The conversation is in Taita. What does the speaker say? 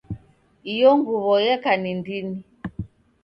Iyo nguw'o yeka ni ndini